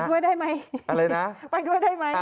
ไปด้วยได้ไหม